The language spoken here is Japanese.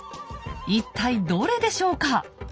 一体どれでしょうか？